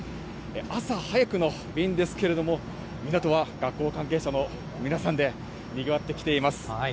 朝早くの便ですけれども、港は学校関係者の皆さんでにぎわってきています。